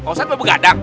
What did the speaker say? ustadz pak begadang